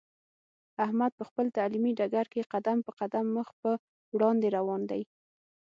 احمد په خپل تعلیمي ډګر کې قدم په قدم مخ په وړاندې روان دی.